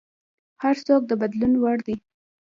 هر څوک د بدلون وړ دی.